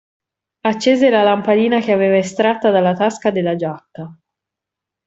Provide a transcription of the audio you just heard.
Accese la lampadina che aveva estratta dalla tasca della giacca.